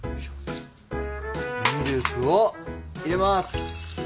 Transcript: ミルクを入れます。